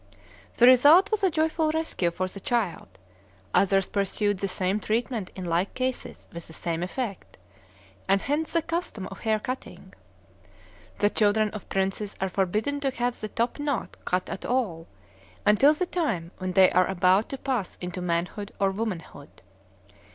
The result was a joyful rescue for the child; others pursued the same treatment in like cases with the same effect, and hence the custom of hair cutting. The children of princes are forbidden to have the top knot cut at all, until the time when they are about to pass into manhood or womanhood.